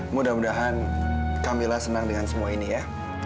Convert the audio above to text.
mudah mudahan kamilah senang dengan semua ini ya